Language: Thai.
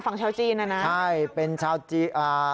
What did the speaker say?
ฝั่งชาวจีนอ่ะนะใช่เป็นชาวจีนอ่า